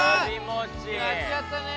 やっちゃったね。